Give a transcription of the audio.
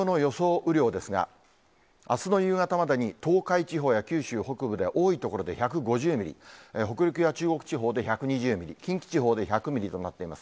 雨量ですが、あすの夕方までに東海地方や九州北部では、多い所で１５０ミリ、北陸や中国地方で１２０ミリ、近畿地方で１００ミリとなっています。